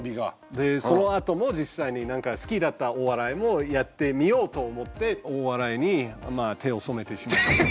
でそのあとも実際になんか好きだったお笑いもやってみようと思ってお笑いにまあ手を染めて。